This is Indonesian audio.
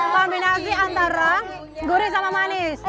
kombinasi antara gurih sama manis